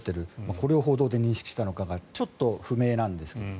これを報道で認識したのかがちょっと不明なんですが。